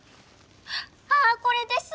あっこれです！